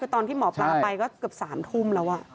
ตอนที่หมอปราไปประมาณ๓ทุ่มแล้ว